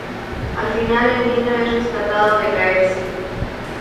Al final el niño es rescatado de caerse.